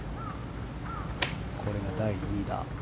これが第２打。